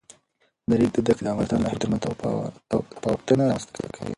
د ریګ دښتې د افغانستان د ناحیو ترمنځ تفاوتونه رامنځ ته کوي.